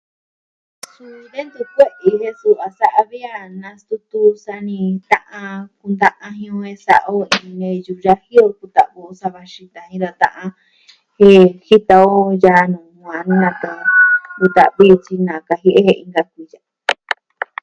Suu de ntu kue'e jen suu a sa'a vi a nastutu, sa'a ni ta'an kunta'a ji e sa'a o iin neyu yaji kuta'vo sava xita jin da ta'an. Jen jita o yaa nuu vitan vi tyi nakajie'e inka kuiya.